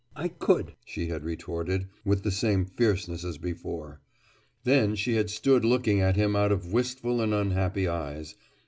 "I could!" she had retorted, with the same fierceness as before. Then she had stood looking at him out of wistful and unhappy eyes.